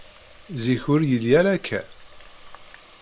Zik, ur yelli ara akka.